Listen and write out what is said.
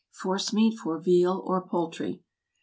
=Forcemeat for Veal or Poultry.